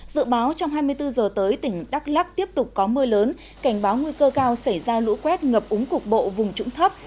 dự báo trong hai mươi bốn giờ tới tỉnh đắk lắc tiếp tục có mưa lớn cảnh báo nguy cơ cao xảy ra lũ quét ngập úng cục bộ vùng trũng thấp